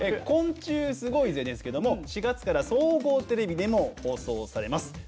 「昆虫すごいＺ」ですけど４月から総合テレビでも放送されます。